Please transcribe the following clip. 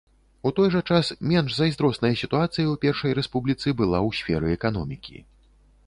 У той жа час, менш зайздросная сітуацыя ў першай рэспубліцы была ў сферы эканомікі.